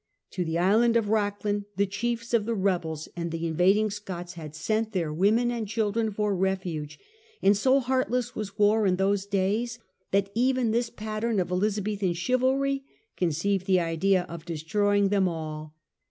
To the isle of Rathlin the chiefs of the rebels and the invading Scots had sent their women and children for refuge, and so heartless was war in those days that even this pattern of Eliza bethan chivalry conceived the idea of destroying them . all.